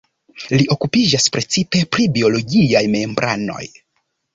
Li okupiĝas precipe pri biologiaj membranoj.